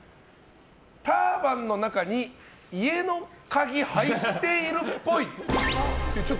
ターバンの中に家の鍵入っているっぽいと。